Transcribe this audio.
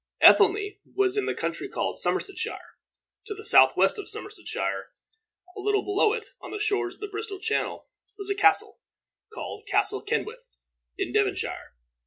Ethelney was in the county called Somersetshire. To the southwest of Somersetshire, a little below it, on the shores of the Bristol Channel, was a castle, called Castle Kenwith, in Devonshire.